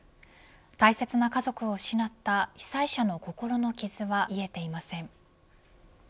大切な家族を失った被災者の心の傷は癒えていません。